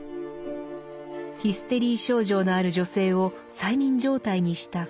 ヒステリー症状のある女性を催眠状態にした講座を公開。